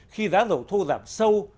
khi giá dầu thô giảm sâu